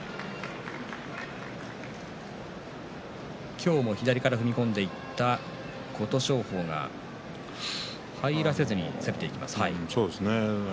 今日も左から踏み込んでいった琴勝峰が入らせなかったですね。